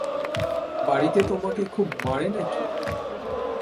বাড়িতে তোমাকে খুব মারে নাকি?